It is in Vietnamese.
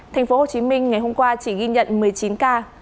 thành phố hồ chí minh ngày hôm qua chỉ ghi nhận một mươi chín ca